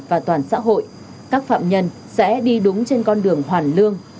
và toàn xã hội các phạm nhân sẽ đi đúng trên con đường hoàn lương